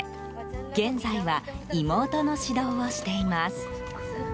現在は、妹の指導をしています。